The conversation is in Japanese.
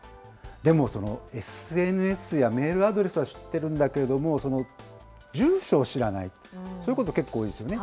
でもそのＳＮＳやメールアドレスは知っているんだけれども、住所を知らない、そういうこと結構多いですよね。